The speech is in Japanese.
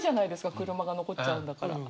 車が残っちゃうんだから。